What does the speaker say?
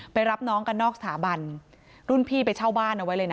รับน้องกันนอกสถาบันรุ่นพี่ไปเช่าบ้านเอาไว้เลยนะ